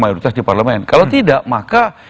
mayoritas di parlemen kalau tidak maka